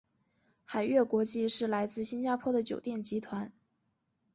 海悦国际是来自新加坡的酒店集团。